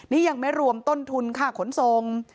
นี่ยังไม่รวมต้นทุนค่าขนส่ง